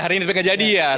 hari ini tapi gak jadi ya